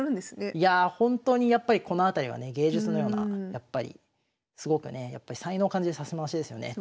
いやあ本当にやっぱりこの辺りはね芸術のようなやっぱりすごくね才能を感じる指し回しですよね